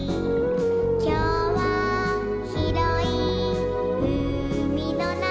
「きょうはひろいうみのなか」